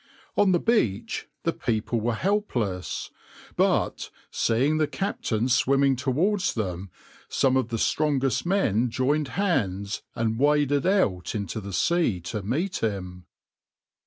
On the beach the people were helpless; but, seeing the captain swimming towards them, some of the strongest men joined hands, and waded out into the sea to meet him.